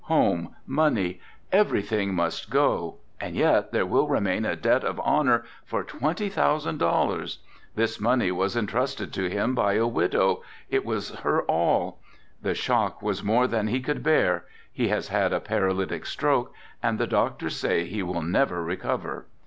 Home, money, everything must go and yet there will remain a debt of honor for twenty thousand dollars. This money was entrusted to him by a widow, it was her all. The shock was more than he could bear, he has had a paralytic stroke and the doctors say he will never recover.